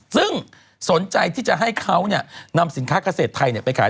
ซึ่งสนใจที่จะให้เขานำสินค้าเกษตรไทยไปขาย